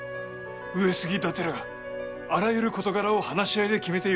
上杉伊達らがあらゆる事柄を話し合いで決めてゆくのです。